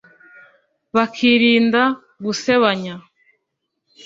bakirinda gusebanya